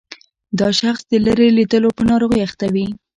دا شخص د لیرې لیدلو په ناروغۍ اخته وي.